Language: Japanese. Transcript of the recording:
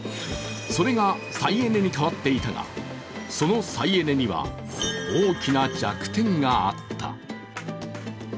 それが再エネにかわってたが、その再エネには大きな弱点があった。